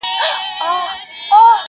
هم یې ماښام هم یې سهار ښکلی دی.!